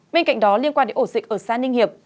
bên cạnh đó liên quan đến ổ dịch ở xã ninh hiệp